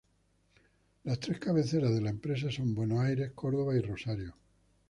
Las tres cabeceras de la empresa son Buenos Aires, Córdoba y Rosario.